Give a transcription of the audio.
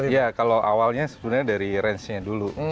ya kalau awalnya sebenarnya dari ranchnya dulu